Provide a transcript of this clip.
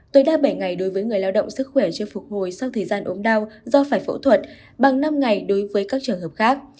tối đa bảy ngày đối với người lao động sức khỏe chưa phục hồi sau thời gian ốm đau do phải phẫu thuật bằng năm ngày đối với các trường hợp khác